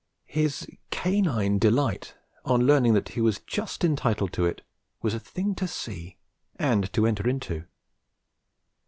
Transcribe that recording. His canine delight, on learning that he was just entitled to it, was a thing to see and to enter into.